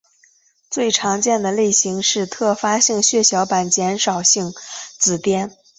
最常见的类型是特发性血小板减少性紫癜。